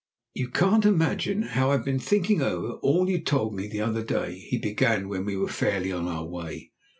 "You can't imagine how I've been thinking over all you told me the other day," he began when we were fairly on our way.